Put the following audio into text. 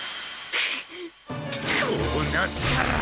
くっこうなったら。